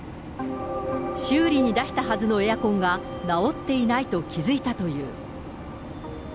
修理に出したはずのエアコンが直っていないと気付いたという。